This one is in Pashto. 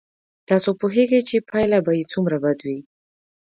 تاسو پوهېږئ چې پایله به یې څومره بد وي.